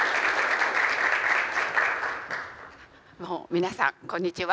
皆さんこんにちは。